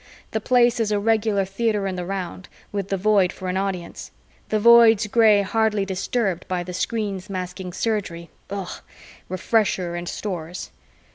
The Place is a regular theater in the round with the Void for an audience, the Void's gray hardly disturbed by the screens masking Surgery Ugh!, Refresher and Stores.